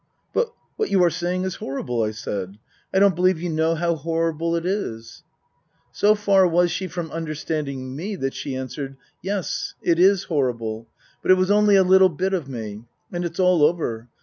" But what you are saying is horrible," I said. " I don't believe you know how horrible it is." So far was she from understanding me that she answered :" Yes, it is horrible. But it was only a little bit of me. And it's all over.